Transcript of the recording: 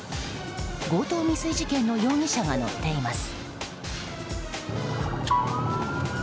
強盗未遂事件の容疑者が乗っています。